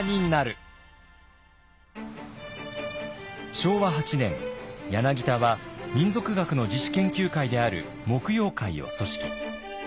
昭和８年柳田は民俗学の自主研究会である木曜会を組織。